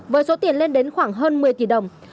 với số tiền lên đến khoảng hơn một mươi tỷ đồng